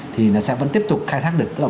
thì nó sẽ vẫn tiếp tục khai thác được